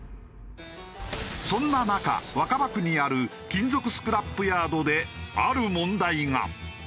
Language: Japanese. そんな中若葉区にある金属スクラップヤードである問題が。